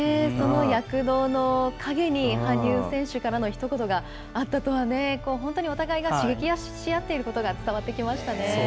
その躍動の陰に羽生選手からのひと言があったとはね、本当にお互いが刺激し合っていることが伝わってきましたね。